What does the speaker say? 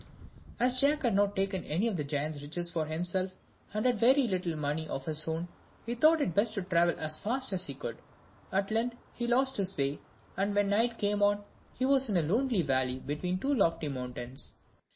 As Jack had not taken any of the giant's riches for himself, and had very little money of his own, he thought it best to travel as fast as he could. At length he lost his way; and, when night came on, he was in a lonely valley between two lofty mountains.